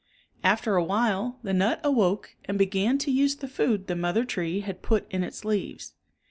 After a while the nut awoke and began to use the food the mother tree had put in its leaves.